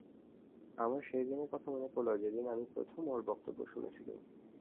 আমার সেই দিনের কথা মনে পড়ল যেদিন আমি প্রথম ওঁর বক্তৃতা শুনেছিলুম।